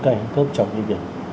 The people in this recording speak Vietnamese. cái hướng cấp trong cái việc